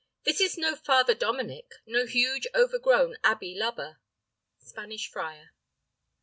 This is no Father Dominic: no huge overgrown Abbey lubber. Spanish Friar.